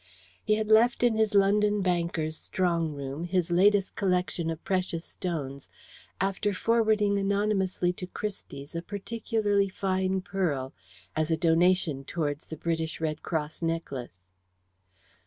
He had left in his London banker's strong room his latest collection of precious stones, after forwarding anonymously to Christie's a particularly fine pearl as a donation towards the British Red Cross necklace.